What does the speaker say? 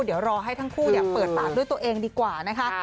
เดี๋ยวรอให้ทั้งคู่เปิดปากด้วยตัวเองดีกว่านะคะ